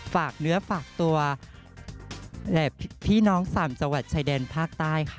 ฝากเนื้อฝากตัวและพี่น้องสามจังหวัดชายแดนภาคใต้ค่ะ